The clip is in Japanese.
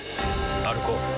歩こう。